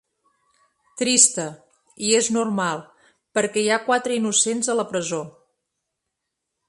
Trista, i és normal, perquè hi ha quatre innocents a la presó.